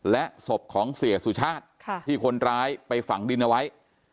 และศพของเสียสุชาติที่คนร้ายไปฝังดินเอาไว้